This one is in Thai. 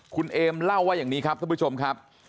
คุณเอมเล่าว่าอย่างนี้ครับท่านผู้ชมครับ